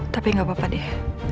tapi gak apa apa deh